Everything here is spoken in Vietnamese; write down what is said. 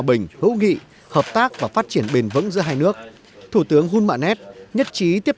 bình hữu nghị hợp tác và phát triển bền vững giữa hai nước thủ tướng hunmanet nhất trí tiếp